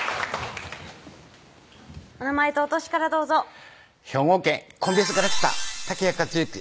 お名前とお歳からどうぞ兵庫県神戸市から来た竹谷克幸